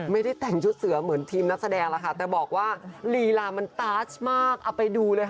ไม่ได้แต่งชุดเสือเหมือนทีมนักแสดงแล้วค่ะแต่บอกว่าลีลามันตาชมากเอาไปดูเลยค่ะ